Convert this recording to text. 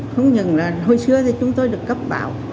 không nhận là hồi xưa thì chúng tôi được cấp báo